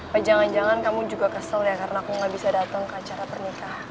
eh jangan jangan kamu juga kesel ya karena aku gak bisa datang ke acara pernikahan